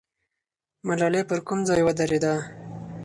ملالۍ پر کوم ځای ودرېده؟